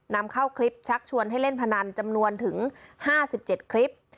นำเข้าคลิปชักชวนให้เล่นพนันจำนวนถึง๕๗คลิป